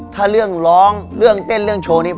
ถ้าเรื่องร้องเรื่องเต้นเรื่องโชว์นี้